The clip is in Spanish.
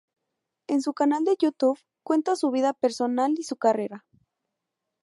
En su canal de YouTube cuenta su vida personal y su carrera.